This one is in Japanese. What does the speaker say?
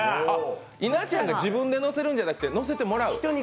稲ちゃんが自分でかけるのではなく、人に乗せてもらうと。